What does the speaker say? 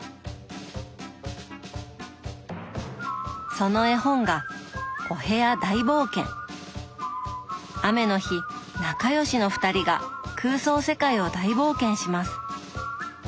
その絵本が雨の日仲良しの２人が空想世界を大冒険します。